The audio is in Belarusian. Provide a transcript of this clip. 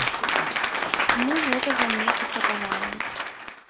Мы гэтага не патрабавалі.